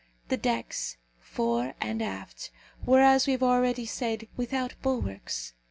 The decks, fore and aft, were, as we have already said, without bulwarks.